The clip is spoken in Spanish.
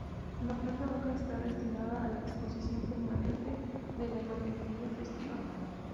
La planta baja está destinada a la exposición permanente de la imaginería festiva.